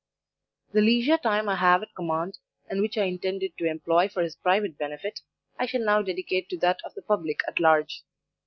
The leisure time I have at command, and which I intended to employ for his private benefit, I shall now dedicate to that of the public at large.